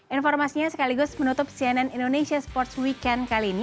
informasinya sekaligus menutup cnn indonesia sports weekend kali ini